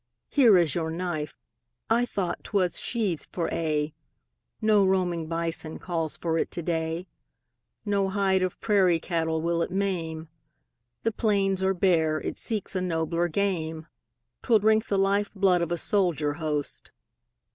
Here is your knife! I thought 'twas sheathed for aye. No roaming bison calls for it to day; No hide of prairie cattle will it maim; The plains are bare, it seeks a nobler game: 'Twill drink the life blood of a soldier host.